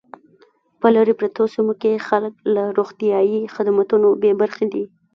په لري پرتو سیمو کې خلک له روغتیايي خدمتونو بې برخې دي